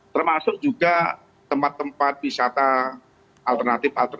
termasuk juga tempat tempat yang diberikan banwe